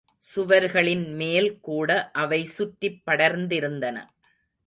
சுவர்களின் மேல் கூட அவை சுற்றிப் படர்ந்திருந்தன.